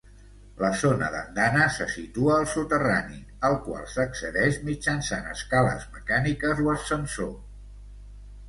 La zona d'andanes se situa al soterrani, al qual s'accedeix mitjançant escales mecàniques o ascensor.